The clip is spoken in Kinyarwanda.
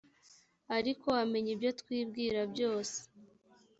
ariko amenya ibyo twibwira byose